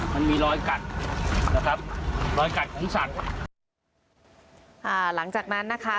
มันมีรอยกัดนะครับรอยกัดของสัตว์อ่าหลังจากนั้นนะคะ